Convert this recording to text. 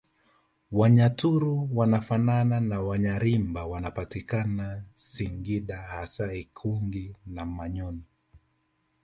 Wanyaturu wanafanana na Wanyiramba wanapatikana singida hasa ikungi na manyoni